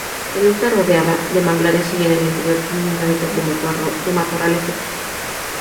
Está rodeada de manglares y en el interior tiene un hábitat de matorrales secos.